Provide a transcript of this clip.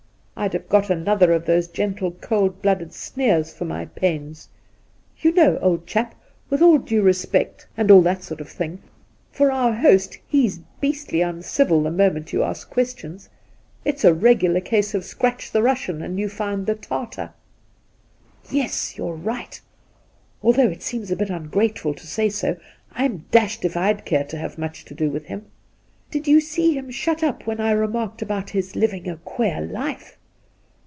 I'd have got another of those gentle cold blooded sneers for my pains. You know, old chap, with all due respect — and all that 7—2 loo Induna Nairn sort of thing — for our host, he's beastly uncivil the moment you ask questions. It's a regular case of scratch the Russian and you find the Tartar.' ' Yes ; you're right. Although it seems a bit ungrateful to say so, I'm dashed if I'd care to have much to do with him. Did you see him shut up when I remarked about his living a queer life